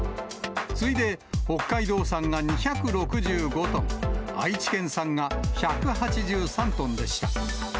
次いで北海道産が２６５トン、愛知県産が１８３トンでした。